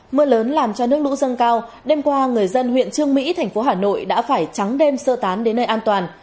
mưa lớn làm cho nước lũ dâng cao đêm qua người dân huyện trương mỹ thành phố hà nội đã phải trắng đêm sơ tán đến nơi an toàn